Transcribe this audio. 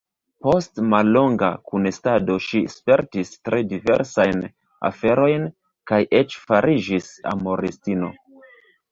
Post mallonga kunestado ŝi spertis tre diversajn aferojn kaj eĉ fariĝis amoristino.